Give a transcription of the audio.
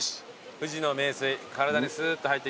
富士の名水体にすっと入ってきますよ。